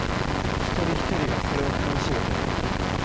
一人一人がそれを噛みしめて。